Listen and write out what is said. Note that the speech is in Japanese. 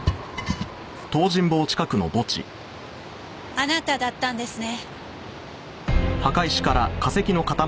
あなただったんですね。